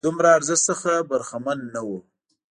له دومره ارزښت څخه برخمن نه وو.